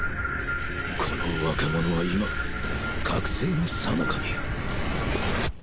この若者は今覚醒の最中に